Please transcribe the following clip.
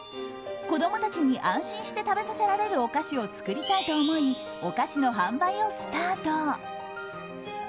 子供たちに安心して食べさせられるお菓子を作りたいと思いお菓子の販売をスタート。